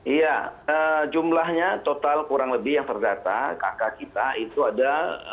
iya jumlahnya total kurang lebih yang terdata kakak kita itu ada